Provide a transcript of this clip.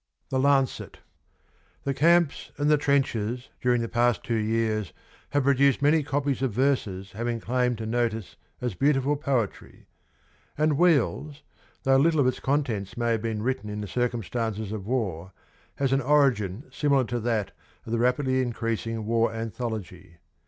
THE LANCET. The camps and the trenches during the past two years have produced many copies of verses having claim to notice as beauti 108 ful poetry, and ' Wheels,' though little of its contents may have been written in the circumstances of war, has an origin similar to that of the rapidly increasing war anthology.